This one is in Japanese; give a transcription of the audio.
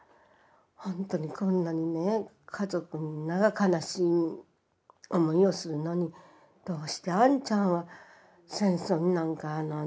ほんとにこんなにね家族みんなが悲しい思いをするのにどうしてあんちゃんは戦争になんか出たんだろうかと思ってね。